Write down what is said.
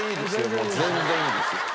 もう全然いいです。